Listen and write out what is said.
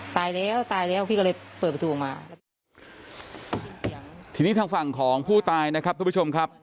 ตายแล้วตายแล้วพี่ก็เลยเปิดประตูออกมาทีนี้ทางฝั่งของผู้ตายนะครับทุกผู้ชมครับ